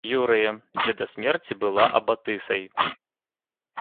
Юрыя, дзе да смерці была абатысай.